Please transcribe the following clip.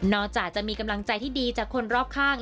จากจะมีกำลังใจที่ดีจากคนรอบข้าง